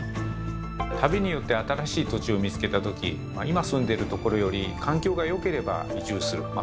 旅によって新しい土地を見つけた時今住んでるところより環境が良ければ移住する。